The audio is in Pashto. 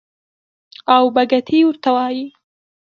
او بګتۍ ورته وايي.